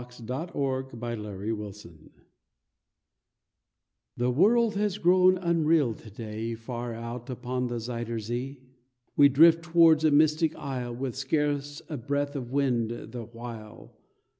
WINTER ON THE ZUYDER ZEE The world has grown unreal to day Far out upon the Zuyder Zee! We drift towards a mystic isle, With scarce a breath of wind the while.